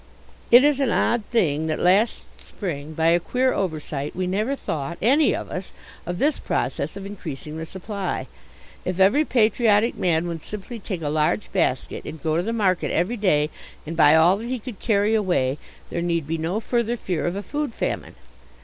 It is an odd thing that last spring, by a queer oversight, we never thought, any of us, of this process of increasing the supply. If every patriotic man would simply take a large basket and go to the market every day and buy all that he could carry away there need be no further fear of a food famine.